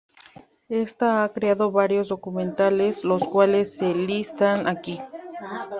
Esta ha creado varios documentales, los cuales se listan aquí.